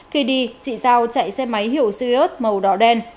khi đi chị giao chạy xe máy hiệu sirius màu đỏ đen